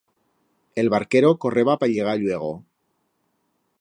El barquero correba pa llegar lluego.